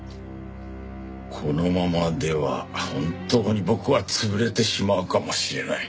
このままでは本当に僕は潰れてしまうかもしれない。